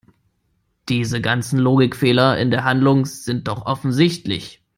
Diese ganzen Logikfehler in der Handlung sind doch offensichtlich!